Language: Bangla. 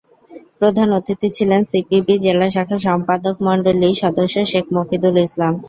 প্রধান অতিথি ছিলেন সিপিবি জেলা শাখার সম্পাদকমণ্ডলীর সদস্য শেখ মফিদুল ইসলাম।